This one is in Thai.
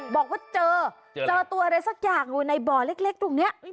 บอกว่าเจอเจอตัวอะไรสักอย่างอยู่ในบ่อเล็กตรงนี้